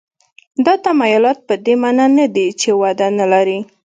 دا تمایلات په دې معنا نه دي چې وده نه لري.